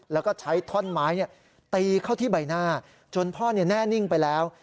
แล้วก็ใช้ท่อนไม้ตีเข้าที่ใบหน้าจนพ่อแน่นิ่งไปแล้ว